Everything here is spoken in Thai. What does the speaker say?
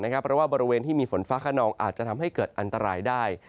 เพราะว่าบริเวณที่มีฝนฟ้าขนองอาจจะทำให้เกิดอันตรายได้